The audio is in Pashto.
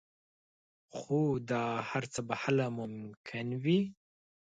خو دا هر څه به هله ممکن وي